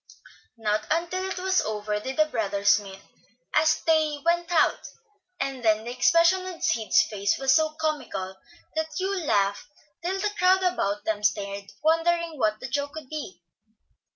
Not until it was over did the brothers meet, as they went out, and then the expression on Sid's face was so comical that Hugh laughed till the crowd about them stared, wondering what the joke could be.